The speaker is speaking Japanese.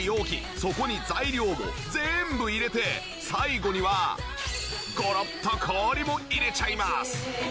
そこに材料を全部入れて最後にはゴロッと氷も入れちゃいます！